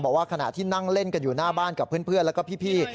บอกว่าขณะที่นั่งเล่นกันอยู่หน้าบ้านกับเพื่อนแล้วก็พี่